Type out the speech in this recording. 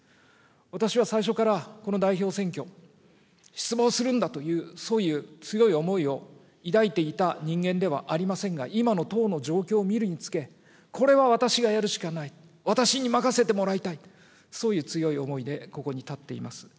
私は最初から、この代表選挙、出馬をするんだという、そういう強い思いを抱いていた人間ではありませんが、今の党の状況を見るにつけ、これは私がやるしかない、私に任せてもらいたい、そういう強い思いでここに立っています。